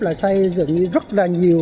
là xây dựng rất là nhiều